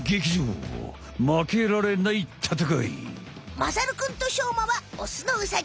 まさるくんとしょうまはオスのウサギ。